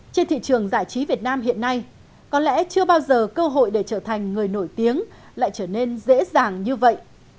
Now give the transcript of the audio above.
trên thị trường giải trí việt nam hiện nay có lẽ chưa bao giờ cơ hội để trở thành người nổi tiếng lại trở nên dễ dàng như vậy